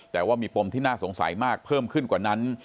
แต่ว่ามีปมที่น่าสงสัยมากเพิ่มขึ้นกว่านั้น